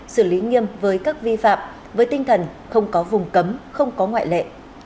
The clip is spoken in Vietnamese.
xử lý nghiêm với các vi phạm với tinh thần không có vùng cấm không có ngoại lệ